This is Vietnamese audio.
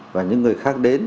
và những người khác đến